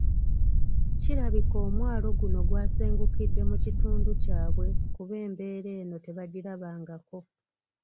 Kirabika omwalo guno gwasengukidde mu kitundu kyabwe kuba embeera eno tebagirabangako.